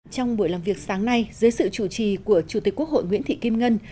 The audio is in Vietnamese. trong buổi làm việc sáng nay dưới sự chủ trì của chủ tịch quốc hội nguyễn thị kim ngân